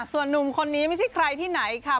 ส่วนนุ่มคนนี้ไม่ใช่ใครที่ไหนค่ะ